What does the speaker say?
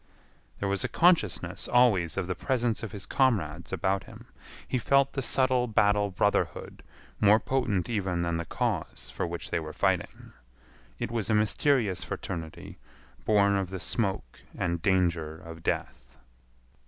There was a consciousness always of the presence of his comrades about him. He felt the subtle battle brotherhood more potent even than the cause for which they were fighting. It was a mysterious fraternity born of the smoke and danger of death.